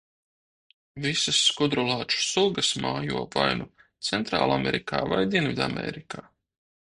Visas skudrlāču sugas mājo vai nu Centrālamerikā vai Dienvidamerikā.